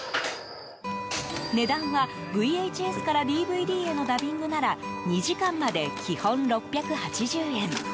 値段は、ＶＨＳからＤＶＤへのダビングなら２時間まで基本６８０円。